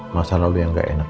masalah yang gak endah